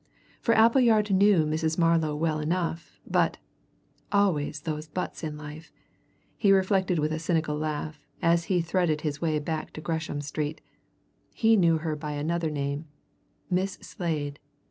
For Appleyard knew Mrs. Marlow well enough, but (always those buts in life, he reflected with a cynical laugh as he threaded his way back to Gresham Street) he knew her by another name Miss Slade.